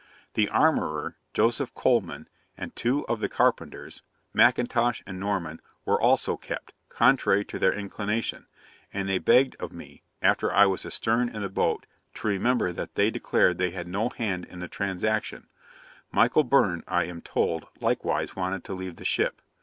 'The armourer, Joseph Coleman, and two of the carpenters, M'Intosh and Norman, were also kept, contrary to their inclination; and they begged of me, after I was astern in the boat, to remember that they declared they had no hand in the transaction. Michael Byrne, I am told, likewise wanted to leave the ship.